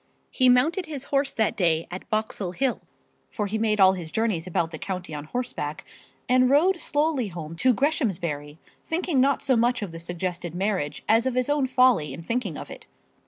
He mounted his horse that day at Boxall Hill for he made all his journeys about the county on horseback and rode slowly home to Greshamsbury, thinking not so much of the suggested marriage as of his own folly in thinking of it.